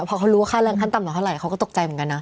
พอเขารู้ว่าค่าแรงขั้นต่ำมาเท่าไหร่เขาก็ตกใจเหมือนกันนะ